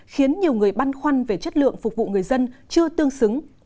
khiến nhiều người băn khoăn về chất lượng phục vụ người dân chưa tương xứng